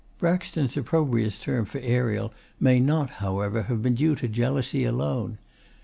Braxton's opprobrious term for 'Ariel' may not, however, have been due to jealousy alone.